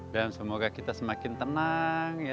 dan semoga kita semakin tenang ya